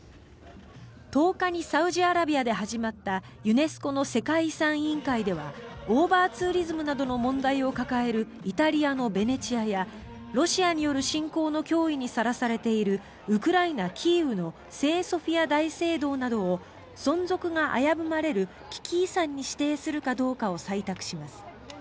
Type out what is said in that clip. １０日にサウジアラビアで始まったユネスコの世界遺産委員会ではオーバーツーリズムなどの問題を抱えるイタリアのベネチアやロシアによる侵攻の脅威にさらされているウクライナ・キーウの聖ソフィア大聖堂などを存続が危ぶまれる危機遺産に指定するかどうかを採択します。